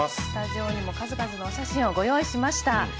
スタジオにも数々のお写真をご用意しました。